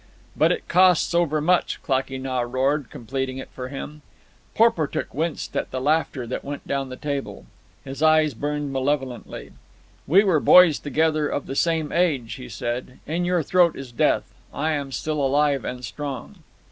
"But it costs overmuch," Klakee Nah roared, completing it for him. Porportuk winced at the laughter that went down the table. His eyes burned malevolently. "We were boys together, of the same age," he said. "In your throat is death. I am still alive and strong."